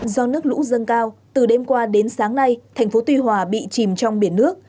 do nước lũ dâng cao từ đêm qua đến sáng nay thành phố tuy hòa bị chìm trong biển nước